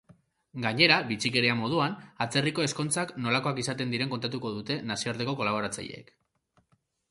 Gainera, bitxikeria moduan atzerriko ezkontzak nolakoak izaten diren kontatuko dute nazioarteko kolaboratzaileek.